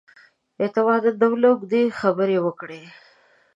اعتماد الدوله اوږدې خبرې وکړې.